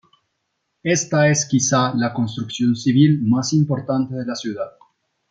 Esta es quizá la construcción civil más importante de la ciudad.